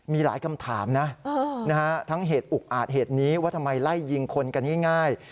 มีหลายคำถามนะทั้งเหตุอุกอาจเหตุนี้ว่าทำไมไล่ยิงคนกันง่าย